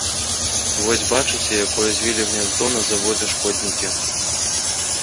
Вось бачыце, якое звілі гняздо на заводзе шкоднікі.